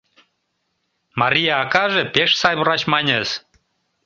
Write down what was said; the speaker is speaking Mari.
Мария акаже пеш сай врач маньыс.